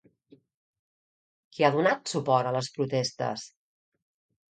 Qui ha donat suport a les protestes?